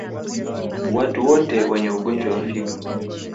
Watu wote wenye ugonjwa wa figo